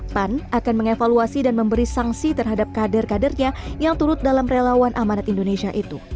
pan akan mengevaluasi dan memberi sanksi terhadap kader kadernya yang turut dalam relawan amanat indonesia itu